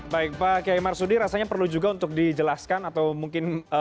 baik pak kiai marsudi rasanya perlu juga untuk dijelaskan atau mungkin